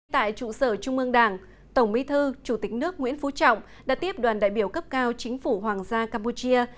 tại trụ sở trung ương đảng tổng bí thư chủ tịch nước nguyễn phú trọng đã tiếp đoàn đại biểu cấp cao chính phủ hoàng gia campuchia